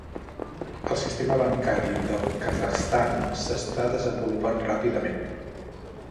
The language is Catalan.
El sistema bancari del Kazakhstan s'està desenvolupant ràpidament.